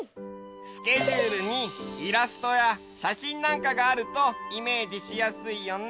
スケジュールにイラストやしゃしんなんかがあるとイメージしやすいよね。